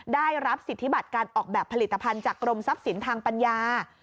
ได้รับสิทธิบัตรการออกแบบผลิตภัณฑ์จากกรมทรัพย์สินทางปัญญา